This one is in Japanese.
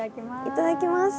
いただきます。